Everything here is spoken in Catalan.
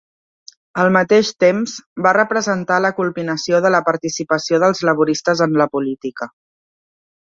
Al mateix temps, va representar la culminació de la participació dels laboristes en la política.